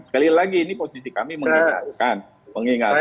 sekali lagi ini posisi kami mengingatkan